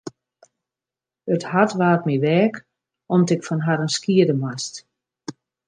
It hart waard my weak om't ik fan harren skiede moast.